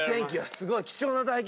すごい貴重な体験